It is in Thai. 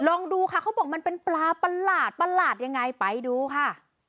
ลองดูค่ะเขาบอกมันเป็นปลาประหลาดประหลาดยังไงไปดูค่ะ